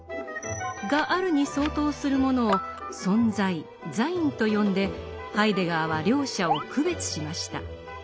「がある」に相当するものを「存在ザイン」と呼んでハイデガーは両者を区別しました。